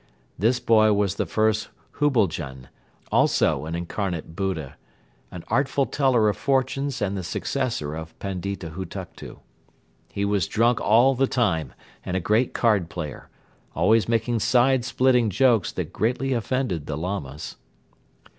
This boy was the first Hubilgan, also an incarnate Buddha, an artful teller of fortunes and the successor of Pandita Hutuktu. He was drunk all the time and a great card player, always making side splitting jokes that greatly offended the Lamas.